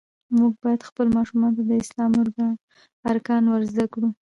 مونږ باید خپلو ماشومانو ته د اسلام ارکان ور زده کړو.